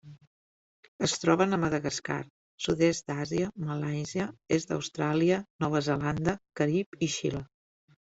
Es troben a Madagascar, sud-est d'Àsia, Malàisia, est d'Austràlia, Nova Zelanda, Carib i Xile.